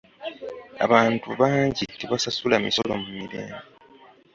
Abantu bangi tebasasula misolo mu mirembe.